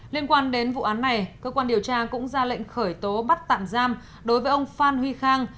liên quan đến vụ án này cơ quan điều tra cũng ra lệnh khởi tố bắt tạm giam đối với ông phan huy khang